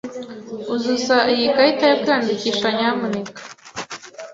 Uzuza iyi karita yo kwiyandikisha, nyamuneka.